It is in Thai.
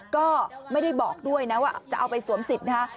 ก็ไม่ได้บอกด้วยนะว่าจะเอาไปสวมสิทธิ์นะฮะ